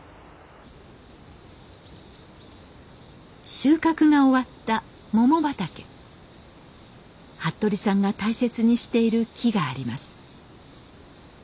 収穫が終わったモモ畑服部さんが大切にしている木があります。